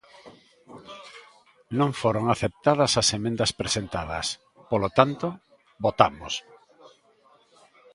Non foron aceptadas as emendas presentadas; polo tanto, votamos.